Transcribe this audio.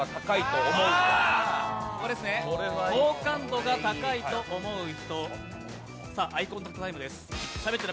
好感度が高いと思う人。